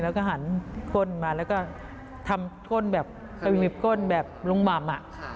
แล้วก็หันก้นมาแล้วก็ทำก้นแบบสวิปก้นแบบลุงหม่ำ